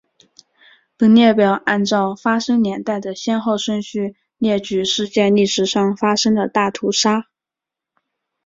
本列表按照发生年代的先后顺序列举世界历史上发生的大屠杀。